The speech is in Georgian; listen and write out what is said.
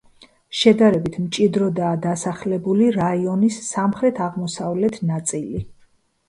შედარებით მჭიდროდაა დასახლებული რაიონის სამხრეთ-აღმოსავლეთ ნაწილი.